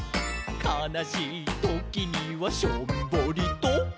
「かなしいときにはしょんぼりと」